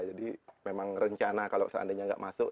jadi memang rencana kalau seandainya nggak masuk